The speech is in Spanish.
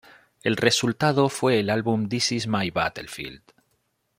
El resultado fue el álbum This is My Battlefield.